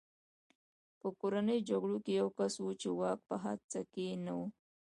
په کورنیو جګړو کې یو کس و چې واک په هڅه کې نه و